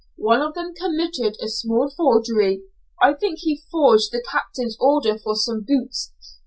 "One of them committed a small forgery, I think he forged the captain's order for some boots.